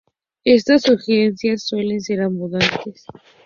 Estas surgencias suelen ser abundantes.